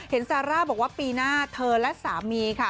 ซาร่าบอกว่าปีหน้าเธอและสามีค่ะ